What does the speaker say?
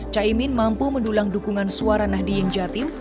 caimin mampu mendulang dukungan suara nahdien jatim